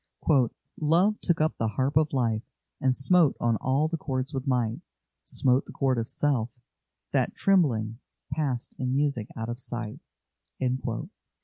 "Love took up the harp of life, and smote on all the chords with might Smote the chord of Self, that, trembling, passed in music out of sight."